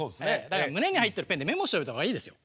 だから胸に入ってるペンでメモしといた方がいいですよ。